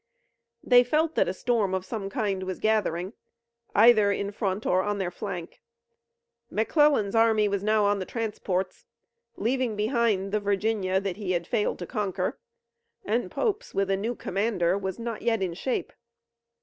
They felt that a storm of some kind was gathering, either in front or on their flank. McClellan's army was now on the transports, leaving behind the Virginia that he had failed to conquer, and Pope's, with a new commander, was not yet in shape.